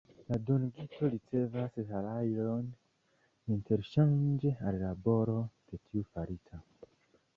La dungito ricevas salajron interŝanĝe al la laboro de tiu farita.